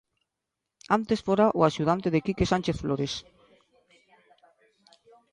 Antes fora o axudante de Quique Sánchez Flores.